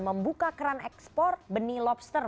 membuka keran ekspor benih lobster